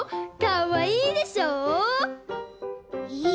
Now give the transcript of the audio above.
かわいいでしょ？いい。